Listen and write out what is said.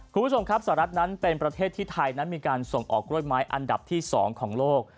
คุณผู้ชมครับสหรัฐนั้นเป็นประเทศที่ไทยนั้นมีการส่งออกกล้วยไม้อันดับที่๒ของโลก